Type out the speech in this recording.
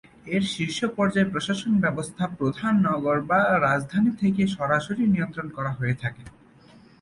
এর শীর্ষ পর্যায়ের প্রশাসন ব্যবস্থা প্রধান নগর বা রাজধানী থেকে সরাসরি নিয়ন্ত্রণ করা হয়ে থাকে।